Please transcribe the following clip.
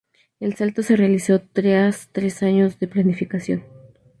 El salto se realizó tras tres años de planificación.